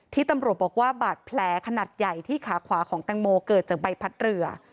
ที่ตำรวจบอกว่าบาดแผลขนาดใหญ่ที่ขาขวาของแตงโมเกิดจากใบพัดเรือ